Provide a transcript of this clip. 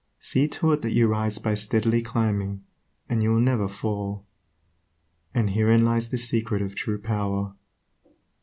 See to it that you rise by steady climbing, and you will never fall. And herein lies the secret of true power.